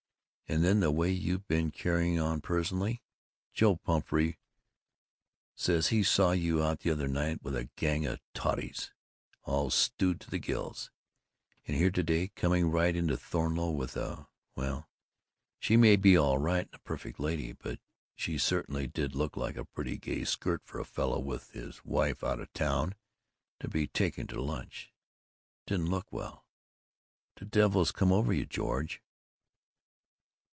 And then the way you been carrying on personally! Joe Pumphrey says he saw you out the other night with a gang of totties, all stewed to the gills, and here to day coming right into the Thornleigh with a well, she may be all right and a perfect lady, but she certainly did look like a pretty gay skirt for a fellow with his wife out of town to be taking to lunch. Didn't look well. What the devil has come over you, George?"